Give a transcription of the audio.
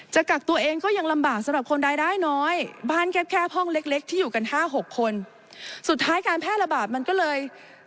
จากกักตัวเองก็ยังลำบากสำหรับคนรายได้น้อย